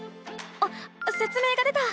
あっせつ明が出た！